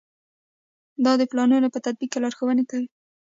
دا د پلانونو په تطبیق کې لارښوونې کوي.